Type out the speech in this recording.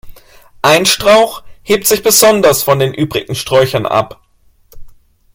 Ein Strauch hebt sich besonders von den übrigen Sträuchern ab.